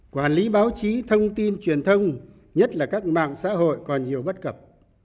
quản lý báo chí thông tin truyền thông nhất là các mạng xã hội còn nhiều bất cập